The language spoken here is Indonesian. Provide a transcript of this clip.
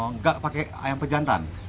nggak pakai ayam pejantan